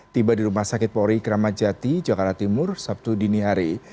tiba di rumah sakit pori kramacati jakarta timur sabtu dinihari